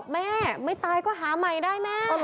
แม่ไม่ตายก็หาใหม่ได้แม่